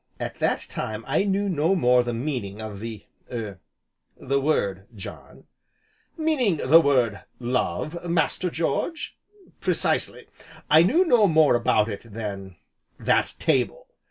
At that time I knew no more the meaning of the er the word, John " "Meaning the word Love, Master George!" "Precisely; I knew no more about it than that table.